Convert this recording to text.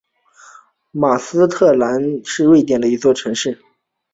马斯特兰德是瑞典的一座城市。